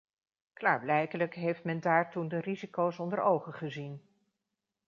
Klaarblijkelijk heeft men daar toen de risico's onder ogen gezien.